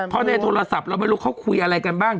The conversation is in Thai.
พอในโทร๙๑๑เราไม่รู้เขาคุยอะไรกันบ้าง